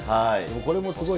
これもすごい。